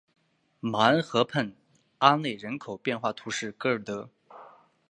马恩河畔阿内人口变化图示戈尔德